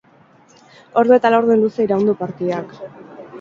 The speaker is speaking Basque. Ordu eta laurden luze iraun du partidak.